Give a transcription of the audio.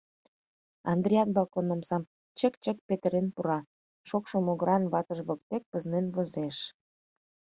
Андрият балкон омсам чык-чык петырен пура, шокшо могыран ватыж воктек пызнен возеш...